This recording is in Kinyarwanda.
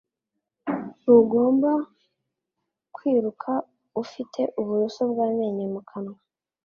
Ntugomba kwiruka ufite uburoso bw'amenyo mu kanwa